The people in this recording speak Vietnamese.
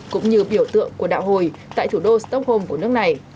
cũng như biểu tượng của đạo hồi tại thủ đô stockholm của nước này